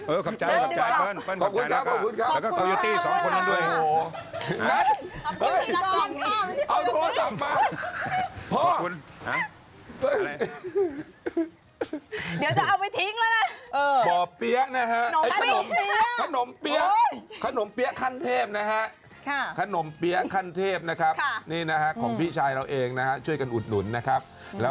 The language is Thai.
เออขอบใจเปิ้ลเปิ้ลขอบใจแล้วค่ะ